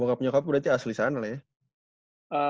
bokap nyokap berarti asli sana lah ya